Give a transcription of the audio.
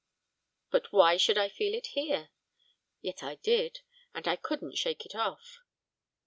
But why should I feel it here? Yet I did, and I couldn't shake it off.